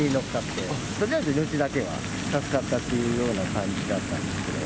とりあえず命だけは助かったっていうような感じだったんですけど。